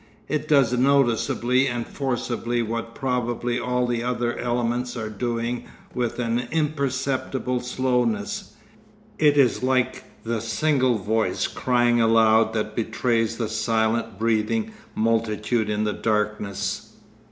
It does noticeably and forcibly what probably all the other elements are doing with an imperceptible slowness. It is like the single voice crying aloud that betrays the silent breathing multitude in the darkness.